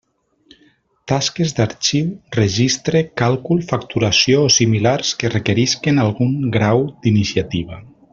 Tasques d'arxiu, registre, càlcul, facturació o similars que requerisquen algun grau d'iniciativa.